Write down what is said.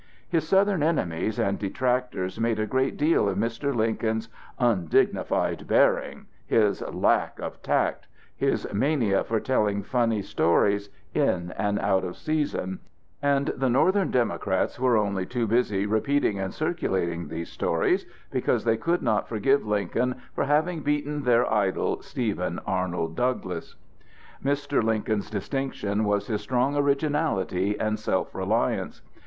His Southern enemies and detractors made a great deal of Mr. Lincoln's "undignified bearing," his "lack of tact," "his mania for telling funny stories, in and out of season," and the Northern Democrats were only too busy repeating and circulating these stories, because they could not forgive Lincoln for having beaten their idol, Stephen Arnold Douglas. Mr. Lincoln's distinction was his strong originality and self reliance.